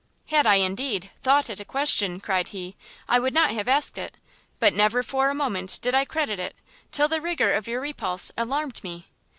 "Had I, indeed, thought it a question," cried he, "I would not have asked it: but never for a moment did I credit it, till the rigour of your repulse alarmed me.